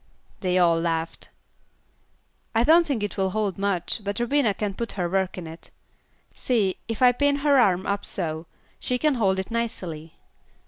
They all laughed. "I don't think it will hold much, but Rubina can put her work in it. See, if I pin her arm up so, she can hold it nicely.